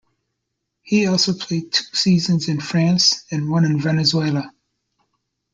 He also played two seasons in France, and one in Venezuela.